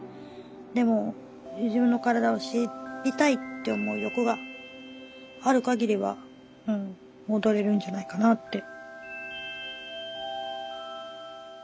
でも自分の身体を知りたいって思う欲があるかぎりは踊れるんじゃないかなって。